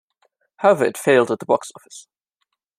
However, it failed at the box office.